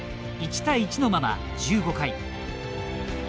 １対１のまま１５回。